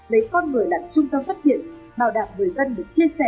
lấy con người làm trung tâm phát triển bảo đảm người dân được chia sẻ